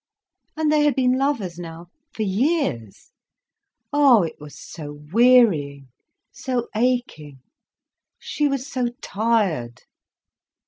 And they had been lovers now, for years. Oh, it was so wearying, so aching; she was so tired.